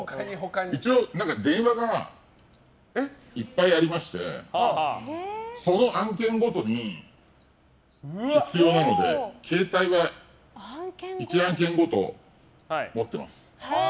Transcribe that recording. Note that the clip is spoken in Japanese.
一応電話がいっぱいありましてその案件ごとに必要なので携帯は１案件ごとに持ってます。